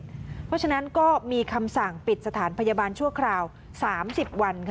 เพราะฉะนั้นก็มีคำสั่งปิดสถานพยาบาลชั่วคราว๓๐วัน